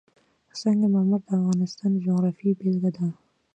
سنگ مرمر د افغانستان د جغرافیې بېلګه ده.